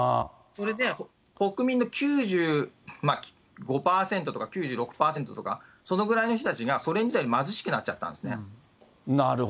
それで国民の９５％とか９６％とか、そのくらいの人たちがソ連時代より貧しくなっちゃったんですね。